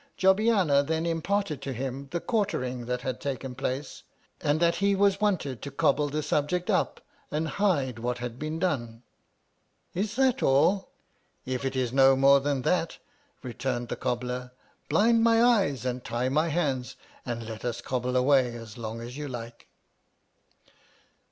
Jobbiana then imparted to him the quartering that had taken place, and that he was wanted to cobble the subject up and hide what had been done. Is that all ? If it is no more than that, returned the cobbler, blind my eyes and tie my hands, and let us cobble away as long as you like